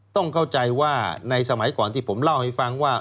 ต้องเข้าใจว่าในสมัยก่อนที่ผมเล่าให้ฟังว่า